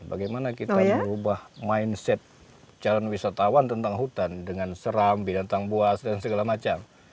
bagaimana kita merubah mindset calon wisatawan tentang hutan dengan seram binatang buas dan segala macam